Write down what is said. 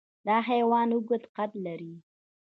دا حیوان اوږده قد لري.